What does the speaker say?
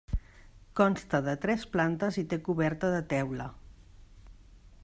Consta de tres plantes i té coberta de teula.